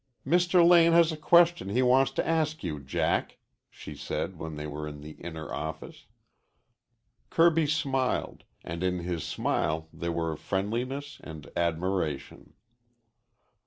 "Mr. Lane has a question he wants to ask you, Jack," she said when they were in the inner office. Kirby smiled, and in his smile there were friendliness and admiration.